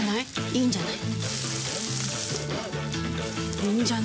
いいんじゃない？